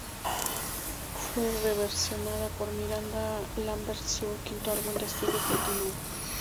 Fue re-versionada por Miranda Lambert en su quinto álbum de estudio Platinum.